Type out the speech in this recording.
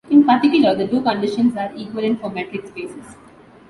In particular, the two conditions are equivalent for metric spaces.